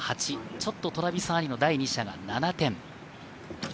ちょっとトラビサーニの第２射が７点。